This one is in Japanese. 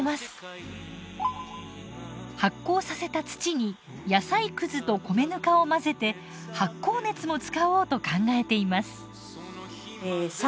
発酵させた土に野菜くずと米ぬかを混ぜて発酵熱も使おうと考えています。